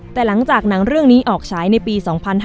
แต่หลังจากหนังเรื่องนี้ออกฉายในปี๒๕๕๙